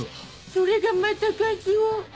それがまたカズオ。